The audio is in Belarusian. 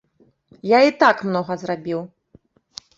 Я і так многа зрабіў.